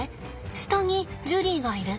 下にジュリーがいる。